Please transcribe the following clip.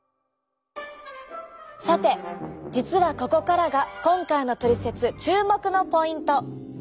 さて実はここからが今回のトリセツ注目のポイント。